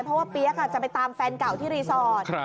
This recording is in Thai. เพราะว่าเปี๊ยกจะไปตามแฟนเก่าที่รีสอร์ท